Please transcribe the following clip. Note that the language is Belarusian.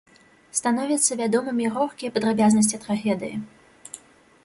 Становяцца вядомымі горкія падрабязнасці трагедыі.